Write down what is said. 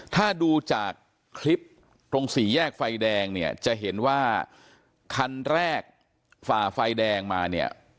ถ้าดูจากคลิปตรงสี่แยกไฟแดงเนี่ยจะเห็นว่าคันแรกฝ่าไฟแดงมาเนี่ย